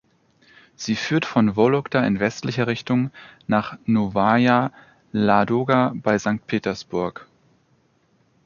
Sie führt von Wologda in westlicher Richtung nach Nowaja Ladoga bei Sankt Petersburg.